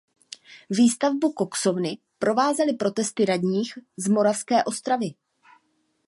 Výstavbu koksovny provázely protesty radních z Moravské Ostravy.